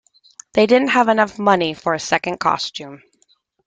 They didn't have enough money for a second costume.